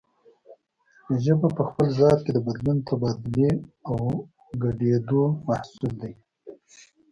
ژبه په خپل ذات کې د بدلون، تبادلې او ګډېدو محصول دی